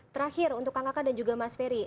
terakhir untuk kang kakak dan juga mas ferry